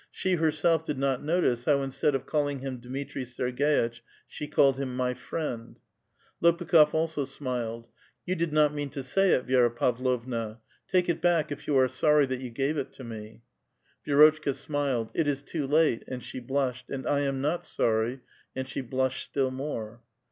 She herself did not notiec ln>w instead of calling him Dmitri Serg^itch, she called him '* in f/ friend,*' Lopukh6f also smiled. "You did not mean to say it, Vi^M a Pavlovna ; take it back if you are sorry that you gave it to me." Vierotclika smiled, ''It is too late," and she blushed, "and I am not sorrv "; and she blusheil still more.